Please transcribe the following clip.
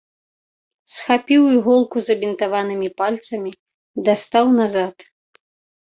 Схапіў іголку забінтаванымі пальцамі, дастаў назад.